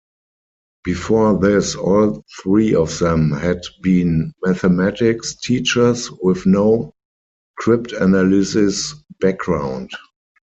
Before this, all three of them had been mathematics teachers with no cryptanalysis background.